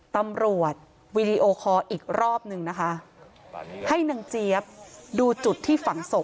วีดีโอคอลอีกรอบหนึ่งนะคะให้นางเจี๊ยบดูจุดที่ฝังศพ